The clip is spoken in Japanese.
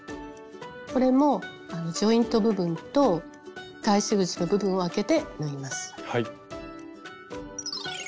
これもジョイント部分と返し口の部分をあけて縫います。